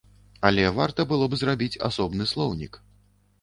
Але варта было б зрабіць асобны слоўнік.